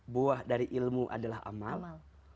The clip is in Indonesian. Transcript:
buah dari ilmu adalah amalan